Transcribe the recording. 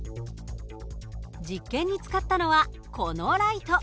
実験に使ったのはこのライト。